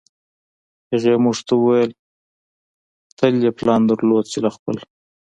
هغې موږ ته وویل تل یې پلان درلود چې له خپل